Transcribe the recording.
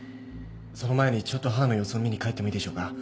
その前にちょっと母の様子を見に帰ってもいいでしょうか？